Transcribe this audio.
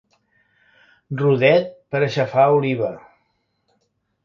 Rodet per a aixafar oliva.